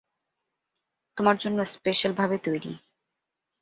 তোমার জন্য স্পেশালভাবে তৈরি।